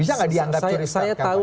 bisa nggak dianggap curi star saya tahu